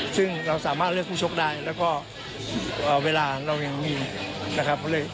ซึ่งเราสามารถเลือกผู้ชกได้แล้วก็เวลาเรายังมีนะครับ